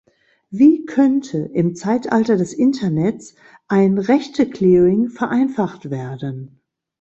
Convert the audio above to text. Wie könnte im Zeitalter des Internets ein Rechte-Clearing vereinfacht werden?